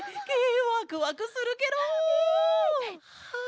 ワクワクするケロ！はあ